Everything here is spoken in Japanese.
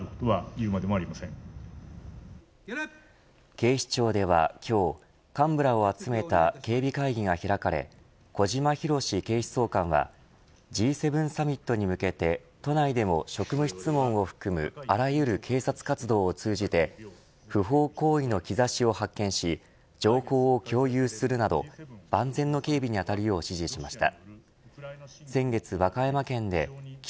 警視庁では今日幹部らを集めた警備会議が開かれ小島裕史警視総監はＧ７サミットに向けて都内でも職務質問を含むあらゆる警察活動を通じて不法行為の兆しを発見し情報を共有するなど万全の警備にあたるよう指示しました。